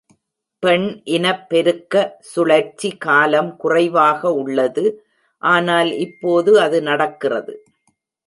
பெண் இனபெருக்க சுழற்சி காலம் குறைவாக உள்ளது, ஆனால் இப்போது அது நடக்கிறது.